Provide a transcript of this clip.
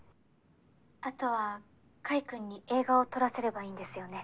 あとは海君に映画を撮らせればいいんですよね？